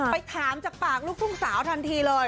ไปถามจากปากลูกทุ่งสาวทันทีเลย